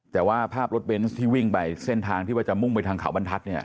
แต่ว่าภาพรถเบนส์ที่วิ่งไปเส้นทางที่ว่าจะมุ่งไปทางเขาบรรทัศน์เนี่ย